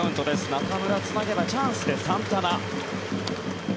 中村、つなげばチャンスでサンタナ。